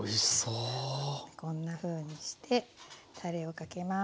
こんなふうにしてたれをかけます。